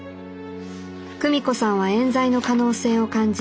久美子さんはえん罪の可能性を感じ